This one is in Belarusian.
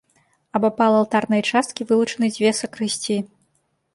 Абапал алтарнай часткі вылучаны дзве сакрысціі.